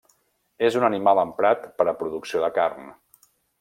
És un animal emprat per a producció de carn.